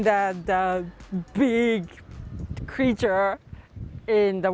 dan melihat kreatur besar di air